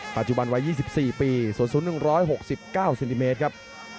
ปัจจุบันวัย๒๔ปีส่วนสูง๑๖๙เซนติเมตรครับ